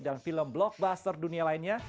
dan film blockbuster dunia lainnya